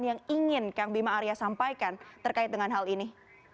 yang ingin kang bima arya sampaikan terkait dengan hal ini